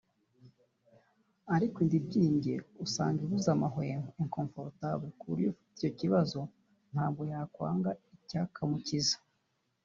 Ariko inda ibyimbye usanga ibuza amahwemo (inconfortable) ku buryo ufite ako kabazo ntabwo yakwanga icyakamukiza